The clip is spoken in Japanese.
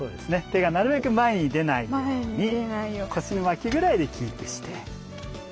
手がなるべく前に出ないように腰の脇ぐらいでキープして。